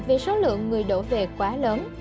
vì số lượng người đổ về quá lớn